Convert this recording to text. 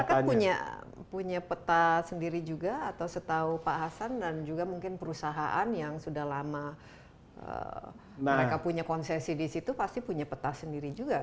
masyarakat punya peta sendiri juga atau setahu pak hasan dan juga mungkin perusahaan yang sudah lama mereka punya konsesi di situ pasti punya peta sendiri juga kan